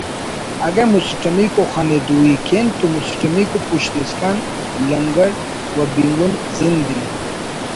اگہ مسٹمیکو خن ءِ دوئی کین تو مسٹمیکو پشت اسکان لنگڑ و بینگن زند ءِ